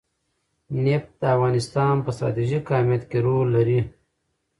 نفت د افغانستان په ستراتیژیک اهمیت کې رول لري.